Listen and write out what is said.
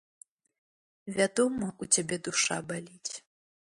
Вядома, у цябе душа баліць.